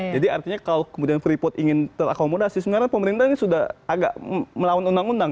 jadi artinya kalau kemudian freeport ingin terakomodasi sebenarnya pemerintah ini sudah agak melawan undang undang